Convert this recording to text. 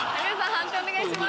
判定お願いします。